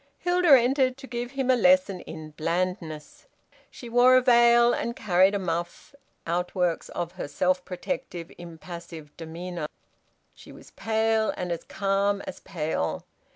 Hilda entered, to give him a lesson in blandness. She wore a veil, and carried a muff outworks of her self protective, impassive demeanour. She was pale, and as calm as pale.